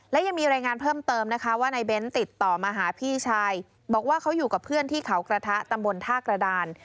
และยังมีรายงานเพิ่มเติมนะคะว่านายเบ้นติดต่อมาหาพี่ชายบอกว่าเขาอยู่กับเพื่อนที่เขากระทะตำบลท่ากระดาน